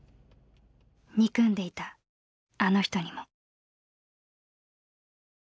憎んでいたあの人にも。